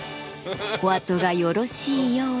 おあとがよろしいようで。